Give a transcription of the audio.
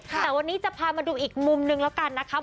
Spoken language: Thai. แต่วันนี้จะพามาดูอีกมุมนึงแล้วกันนะคะ